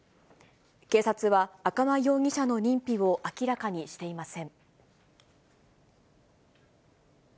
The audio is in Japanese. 警察は赤間容疑者の認否を明らかにしていません。